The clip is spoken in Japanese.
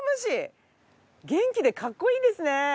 元気でかっこいいですね。